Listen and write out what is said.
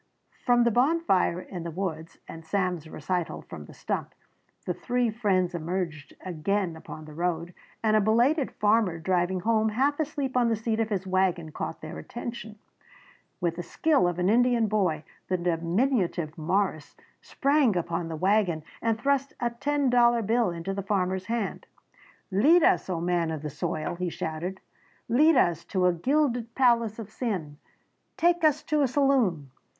From the bonfire in the woods and Sam's recital from the stump, the three friends emerged again upon the road, and a belated farmer driving home half asleep on the seat of his wagon caught their attention. With the skill of an Indian boy the diminutive Morris sprang upon the wagon and thrust a ten dollar bill into the farmer's hand. "Lead us, O man of the soil!" he shouted, "Lead us to a gilded palace of sin! Take us to a saloon!